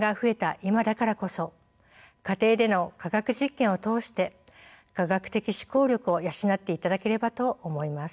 今だからこそ家庭での科学実験を通して科学的思考力を養っていただければと思います。